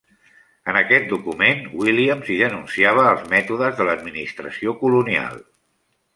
En aquest document, Williams hi denunciava els mètodes de l'administració colonial.